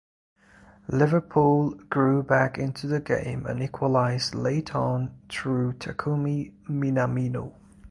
Liverpool grew back into the game and equalised late on through Takumi Minamino.